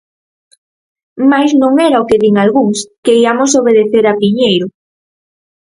Mais non era o que din algúns, que iamos obedecer a Piñeiro.